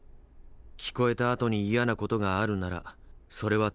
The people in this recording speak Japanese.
聞こえたあとに嫌なことがあるならそれはただの「嫌な言葉」だ。